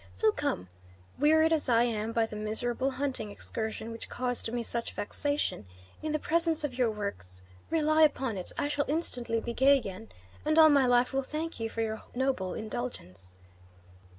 So come! Wearied as I am by the miserable hunting excursion which caused me such vexation, in the presence of your works rely upon it I shall instantly be gay again, and all my life will thank you for your noble indulgence."